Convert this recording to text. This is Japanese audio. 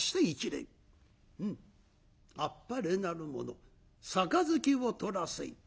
「うんあっぱれなる者杯を取らせ」。